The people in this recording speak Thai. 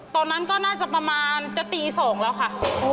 ตอนนั้นก็น่าจะประมาณจะตี๒แล้วค่ะ